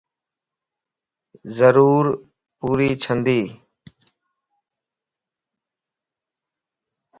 ضرور پوري ڇندي